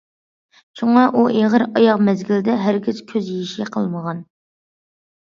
شۇڭا، ئۇ ئېغىر ئاياغ مەزگىلىدە ھەرگىز كۆز يېشى قىلمىغان.